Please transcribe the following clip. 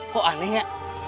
kok aneh ya